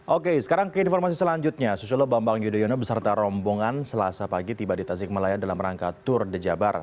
oke sekarang ke informasi selanjutnya susulo bambang yudhoyono beserta rombongan selasa pagi tiba di tasikmalaya dalam rangka tur dejabar